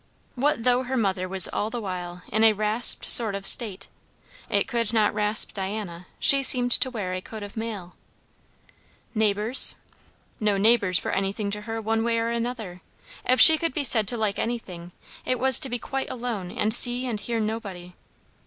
What though her mother was all the while in a rasped sort of state? it could not rasp Diana; she seemed to wear a coat of mail. Neighbours? no neighbours were anything to her one way or another; if she could be said to like anything, it was to be quite alone and see and hear nobody.